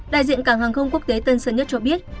đại diện cảng hàng không quốc tế tân sơn nhất cho biết